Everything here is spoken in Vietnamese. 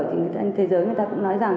thì thế giới người ta cũng nói rằng